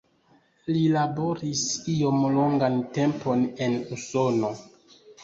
Li laboris iom longan tempon en Usono.